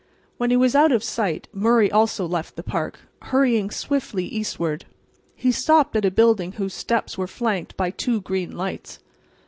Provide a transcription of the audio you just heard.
When he was out of sight Murray also left the park, hurrying swiftly eastward. He stopped at a building whose steps were flanked by two green lights.